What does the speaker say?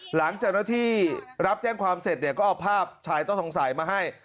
หลังจากที่รับแจ้งความเสร็จเนี่ยก็เอาภาพชายต้องสงสัยมาให้